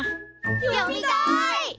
読みたい！